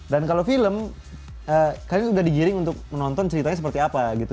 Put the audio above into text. dan kalo film kalian udah digiring untuk menonton ceritanya seperti apa gitu